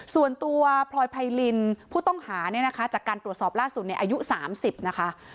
ส่วนตัวพลอยไพรินผู้ต้องหาเนี่ยนะคะจากการตรวจสอบล่าสุดเนี่ยอายุ๓๐นะคะ